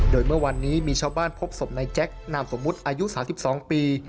โดยเมื่อวันนี้มีชาวบ้านพบสมในแจ๊กการน้ำสมมุติอายุ๓๒ปี